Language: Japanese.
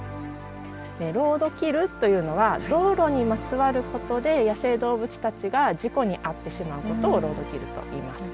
ロードキルというのは道路にまつわることで野生動物たちが事故に遭ってしまうことをロードキルといいます。